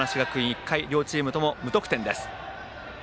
１回、両チームとも無得点です。